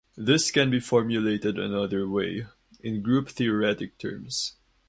This can be formulated another way, in group-theoretic terms.